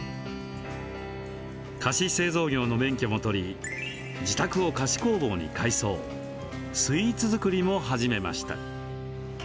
菓子製造業の免許も取り自宅を菓子工房に改装スイーツ作りも始めました。